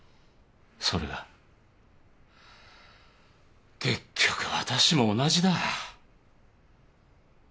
それが結局私も同じだ。